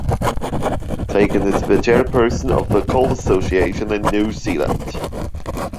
Tacon is the chairperson of the Coal Association of New Zealand.